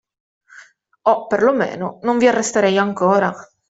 O, per lo meno, non vi arresterei ancora.